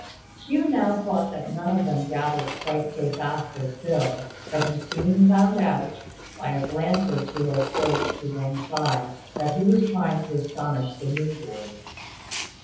Hugh now thought that none of them gabbled quite so fast as Phil: but he soon found out, by a glance or two of Phil's to one side, that he was trying to astonish the new boys.